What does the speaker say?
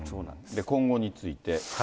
今後について。